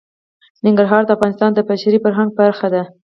ننګرهار د افغانستان د بشري فرهنګ برخه ده.